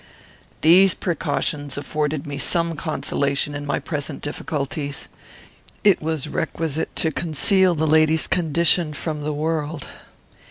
"These precautions afforded me some consolation in my present difficulties. It was requisite to conceal the lady's condition from the world.